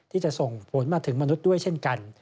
ที่จะส่งผลมาถึงมนุษย์ด้วยเช่นกัน